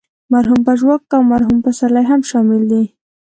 مرحوم پژواک او مرحوم پسرلی هم شامل دي.